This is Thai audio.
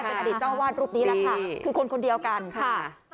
เป็นอดีตต้องว่าตรูปนี้ค่ะคือคนคนเดียวกันค่ะ